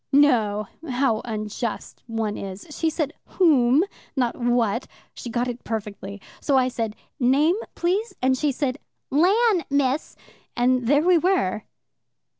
No how unjust one is. She said 'whom,' not 'what.' She got it perfectly. So I said, 'Name, please?' and she said, 'Lan, Miss,' and there we were.